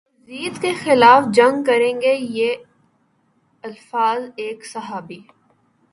یزید کے خلاف جنگ کریں گے یہ الفاظ ایک صحابی